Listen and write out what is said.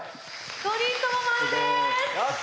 ５人ともマルです。